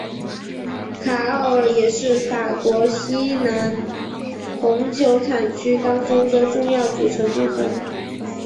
卡奥尔也是法国西南红酒产区当中的重要组成部分。